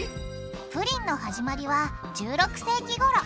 プリンの始まりは１６世紀ごろ。